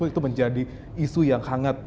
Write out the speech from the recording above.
itu menjadi isu yang hangat